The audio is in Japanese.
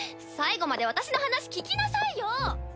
最後まで私の話聞きなさいよ！